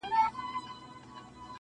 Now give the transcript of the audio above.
ګیدړ سمدستي پنیر ته ورحمله کړه-